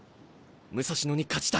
武蔵野に勝ちたい。